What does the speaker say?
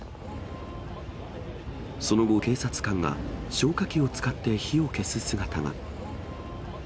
その後、警察官が消火器を使って火を消す姿が。